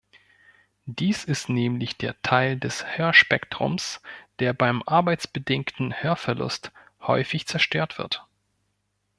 Dies ist nämlich der Teil des Hörspektrums, der beim arbeitsbedingten Hörverlust häufig zerstört wird.